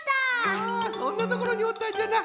あそんなところにおったんじゃな。